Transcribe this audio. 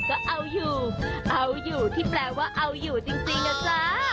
ก็เอาอยู่เอาอยู่ที่แปลว่าเอาอยู่จริงนะจ๊ะ